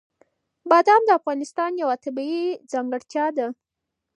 بادام د افغانستان یوه طبیعي ځانګړتیا ده.